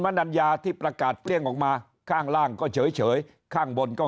นัญญาที่ประกาศเกลี้ยงออกมาข้างล่างก็เฉยข้างบนก็